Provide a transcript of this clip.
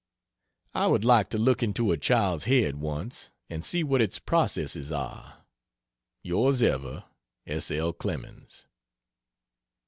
I would like to look into a child's head, once, and see what its processes are. Yrs ever, S. L. CLEMENS.